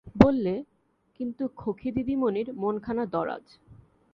বললে, কিন্তু খোঁখী, দিদিমণির মনখানা দরাজ।